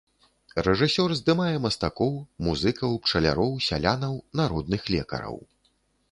Рэжысёр здымае мастакоў, музыкаў, пчаляроў, сялянаў, народных лекараў.